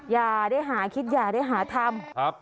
อย่าได้หาคิดอย่าได้หาทำ